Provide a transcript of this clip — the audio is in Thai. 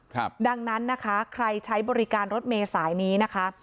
ครับดังนั้นนะคะใครใช้บริการรถเมษายนี้นะคะ